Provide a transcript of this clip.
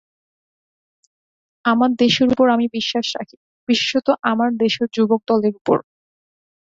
আমার দেশের উপর আমি বিশ্বাস রাখি, বিশেষত আমার দেশের যুবকদলের উপর।